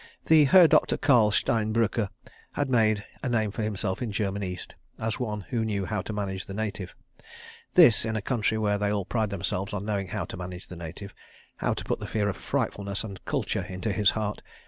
The Herr Doktor Karl Stein Brücker had made a name for himself in German East, as one who knew how to manage the native. This in a country where they all pride themselves on knowing how to manage the native—how to put the fear of Frightfulness and Kultur into his heart.